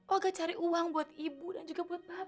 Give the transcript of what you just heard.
olga cari uang buat ibu dan juga buat bapaknya